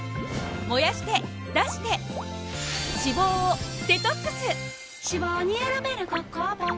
燃やして出して脂肪をデトックス！